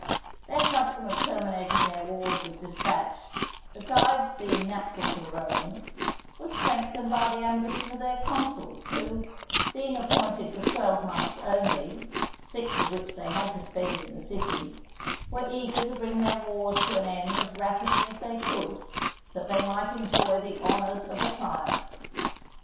Their custom of terminating their wars with despatch, besides being natural to the Romans, was strengthened by the ambition of their consuls, who, being appointed for twelve months only, six of which they had to spend in the city, were eager to bring their wars to an end as rapidly as they could, that they might enjoy the honours of a triumph.